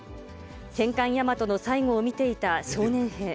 戦艦大和の最期を見ていた少年兵。